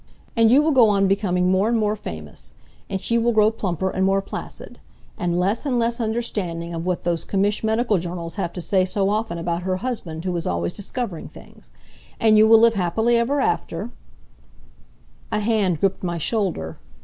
And you will go on becoming more and more famous, and she will grow plumper and more placid, and less and less understanding of what those komisch medical journals have to say so often about her husband who is always discovering things. And you will live happily ever after " A hand gripped my shoulder.